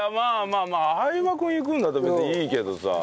相葉君行くんだったら別にいいけどさ。